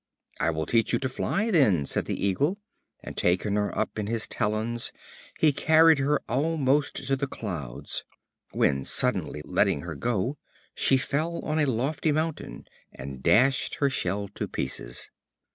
"I will teach you to fly then," said the Eagle; and taking her up in his talons, he carried her almost to the clouds, when suddenly letting her go, she fell on a lofty mountain, and dashed her shell to pieces.